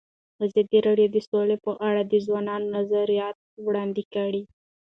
ازادي راډیو د سوله په اړه د ځوانانو نظریات وړاندې کړي.